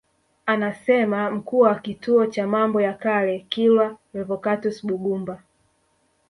Anasema Mkuu wa Kituo cha Mambo ya Kale Kilwa Revocatus Bugumba